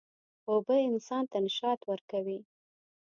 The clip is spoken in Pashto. اوبه انسان ته نشاط ورکوي.